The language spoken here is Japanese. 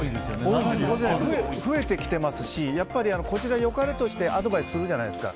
７４％。増えてきてますしこちらは良かれと思ってアドバイスするじゃないですか。